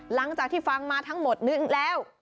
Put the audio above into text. หลังจากที่ฟังมาทั้งหมดนึงแล้ว